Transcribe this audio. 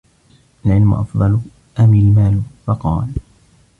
الْعِلْمُ أَفْضَلُ أَمْ الْمَالُ ؟ فَقَالَ